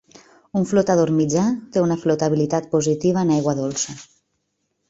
Un flotador mitjà té una flotabilitat positiva en aigua dolça.